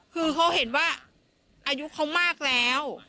คือเขาเห็นว่าอายุเขามากแล้ว